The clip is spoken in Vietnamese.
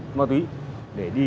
để đưa người đi cai nghiện